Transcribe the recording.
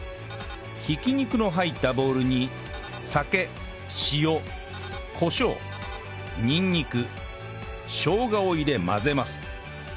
挽き肉の入ったボウルに酒塩コショウにんにくしょうがを入れ混ぜます